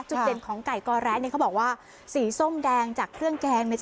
จุดเด่นของไก่กอแร้เขาบอกว่าสีส้มแดงจากเครื่องแกงเนี่ย